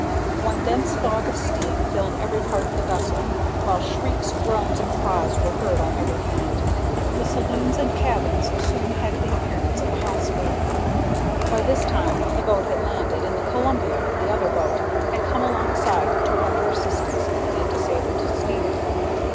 One dense fog of steam filled every part of the vessel, while shrieks, groans, and cries were heard on every hand. The saloons and cabins soon had the appearance of a hospital. By this time the boat had landed, and the Columbia, the other boat, had come alongside to render assistance to the disabled steamer.